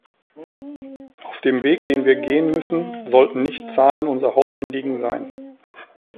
Auf dem Weg, den wir gehen müssen, sollten nicht Zahlen unser Hauptanliegen sein.